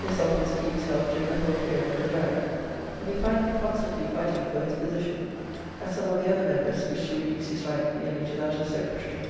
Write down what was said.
This office Pepys held during the whole period of the Diary, and we find him constantly fighting for his position, as some of the other members wished to reduce his rank merely to that of secretary.